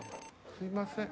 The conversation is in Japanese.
すいません。